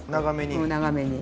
長めに。